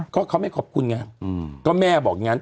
ก็เขาไม่ขอบคุณไงก็แม่บอกอย่างนั้น